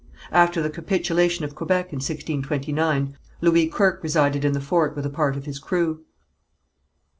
After the capitulation of Quebec in 1629, Louis Kirke resided in the fort with a part of his crew.